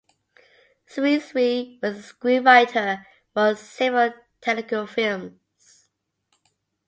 Sri Sri was a screenwriter for several Telugu films.